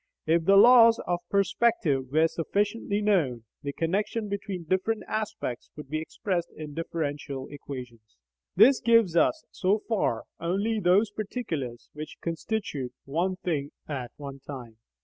If the laws of perspective were sufficiently known, the connection between different aspects would be expressed in differential equations. This gives us, so far, only those particulars which constitute one thing at one time.